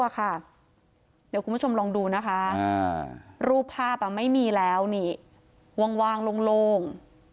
เดี๋ยวคุณผู้ชมลองดูนะคะรูปภาพไม่มีแล้วนี่วางโล่ง